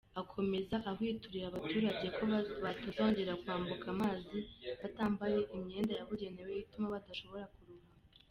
Akomeza ahwiturira abaturage ko batazongera kwambuka amazi batambaye imyenda yabugenewe ituma badashobora kurohama.